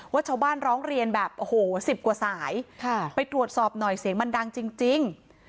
ว่าชาวบ้านร้องเรียนแบบโอ้โหสิบกว่าสายไปตรวจสอบหน่อยเสียงมันดังจริง